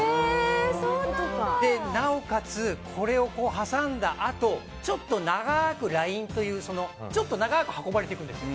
なおかつ、これを挟んだあとちょっと長くラインで運ばれていくんです。